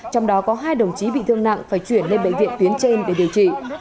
trong đó có hai đồng chí bị thương nặng phải chuyển lên bệnh viện tuyến trên để điều trị